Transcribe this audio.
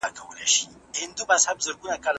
هر بدلون باید په علمي توګه وڅېړل سي.